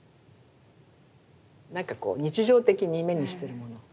なんかこう日常的に目にしてるもの。